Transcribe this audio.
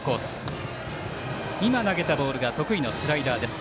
今、投げたボールが得意のスライダーです。